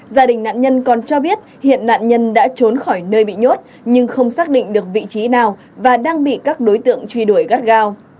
gia đình nạn nhân còn cho biết hiện nạn nhân đã trốn khỏi nơi bị nhốt nhưng không xác định được vị trí nào và đang bị các đối tượng truy đuổi gắt gao